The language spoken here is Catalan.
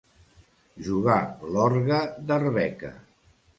Jugar l'orgue d'Arbeca.